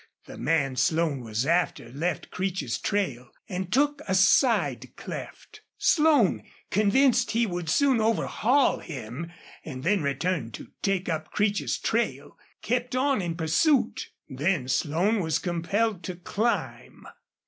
The man Slone was after left Creech's trail and took to a side cleft. Slone, convinced he would soon overhaul him, and then return to take up Creech's trail, kept on in pursuit. Then Slone was compelled to climb.